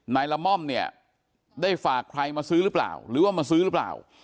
ละม่อมเนี่ยได้ฝากใครมาซื้อหรือเปล่าหรือว่ามาซื้อหรือเปล่า